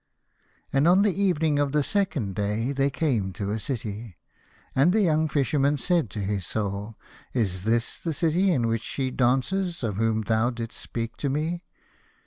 And on the evening of the second day they came to a city, and the young Fisherman said to his Soul, " Is this the city in which she dances of whom thou did'st speak to me